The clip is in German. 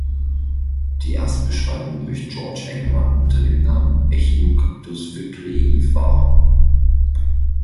Die Erstbeschreibung durch George Engelmann unter dem Namen "Echinocactus whipplei" var.